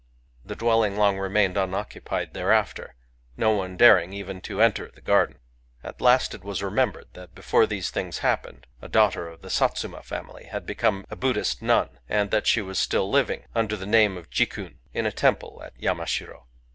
The dwelfing long remained unoccupied thereafter, no one daring even to enter the garden. At latt it wat remem beied that before thete thingi happened a daughter cif the Satiuma &mily had become a Buddhitt nun, and that the wat ttill living, under the name of Jikun, in a temple at Yamathiro.